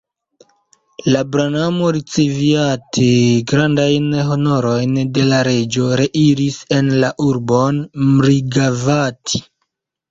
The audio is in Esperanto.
La bramano, riceviate grandajn honorojn de la reĝo, reiris en la urbon Mrigavati.